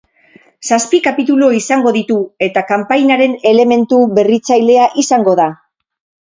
Zazpi kapitulu izango, ditu eta kanpainaren elementu berritzailea izango da.